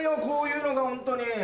こういうのがホントに。